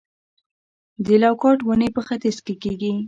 د لوکاټ ونې په ختیځ کې کیږي؟